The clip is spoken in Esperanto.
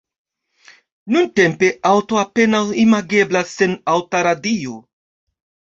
Nuntempe aŭto apenaŭ imageblas sen aŭta radio.